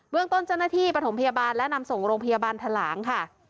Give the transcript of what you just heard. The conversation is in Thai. เรื่องต้นเจ้าหน้าที่ประถมพยาบาลและนำส่งโรงพยาบาลทะหลางค่ะ